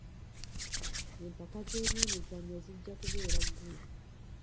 Empaka z'ebyemizannyo zijja kubeera Gulu.